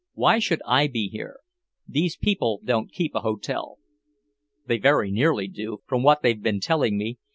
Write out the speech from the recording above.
Why should I be here? These people don't keep a hotel." "They very nearly do, from what they've been telling me.